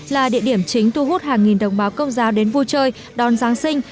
là địa điểm chính thu hút hàng nghìn đồng báo công giáo đến vui chơi đón giáng sinh